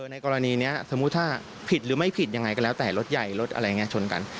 ในกรณีนี้สมมุติถ้าผิดหรือไม่ผิดยังไงก็แล้วแต่รถใหญ่รถอะไรอย่างนี้ชนกัน